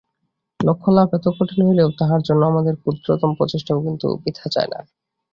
লক্ষ্যলাভ এত কঠিন হইলেও তাহার জন্য আমাদের ক্ষুদ্রতম প্রচেষ্টাও কিন্তু বৃথা যায় না।